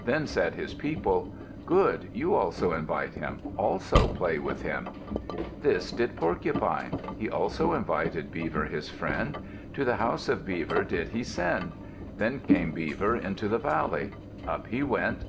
Then said his people, "Good! You also invite him. Also play with him." This did Porcupine. He also invited Beaver, his friend. To the house of Beaver did he send. Then came Beaver into the valley. Up he went.